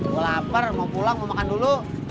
mau lapar mau pulang mau makan dulu